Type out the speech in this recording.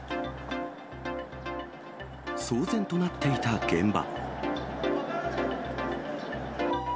騒然となっていた現場。